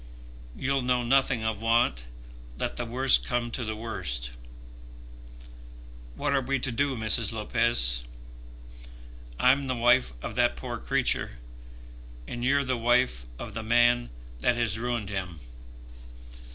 You'll know nothing of want, let the worst come to the worst. What are we to do, Mrs. Lopez? I'm the wife of that poor creature, and you're the wife of the man that has ruined him.